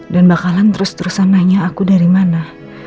dan bakalan terus terusan nanya aku dari mana